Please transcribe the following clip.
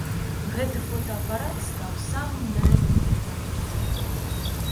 Гэта фотаапарат стаў самым дарагім на планеце.